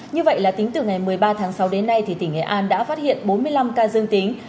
như vậy là tính từ ngày một mươi ba tháng sáu đến nay thì tỉnh nghệ an đã phát hiện bốn mươi năm ca dương tính